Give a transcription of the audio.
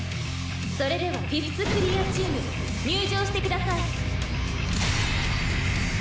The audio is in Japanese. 「それでは５ｔｈクリアチーム入場してください」